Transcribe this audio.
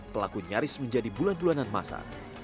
pelaku nyaris menjadi bulan bulanan masa